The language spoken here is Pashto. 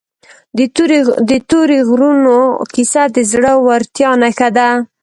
د تورې غرونو کیسه د زړه ورتیا نښه ده.